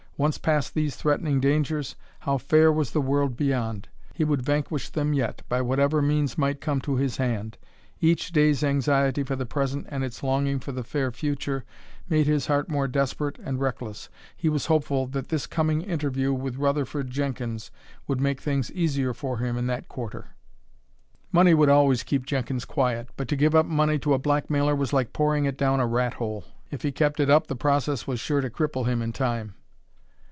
Once past these threatening dangers, how fair was the world beyond! He would vanquish them yet, by whatever means might come to his hand! Each day's anxiety for the present and its longing for the fair future made his heart more desperate and reckless. He was hopeful that this coming interview with Rutherford Jenkins would make things easier for him in that quarter. Money would always keep Jenkins quiet, but to give up money to a blackmailer was like pouring it down a rat hole; if he kept it up the process was sure to cripple him in time.